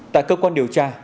tại cơ quan điều tra